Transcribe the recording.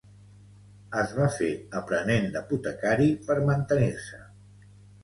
Es va fer aprenent d'apotecari per mantenir-se.